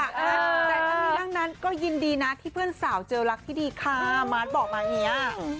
แต่ทั้งนี้ทั้งนั้นก็ยินดีนะที่เพื่อนสาวเจอรักที่ดีค่ะมาร์ทบอกมาอย่างนี้